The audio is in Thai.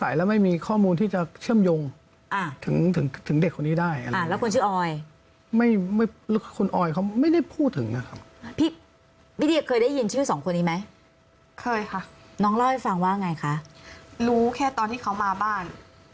มันได้พูดถึงนะครับพี่เนี่ยเคยฟันไว้ค่ะรู้แค่ตอนที่เขามาบ้าน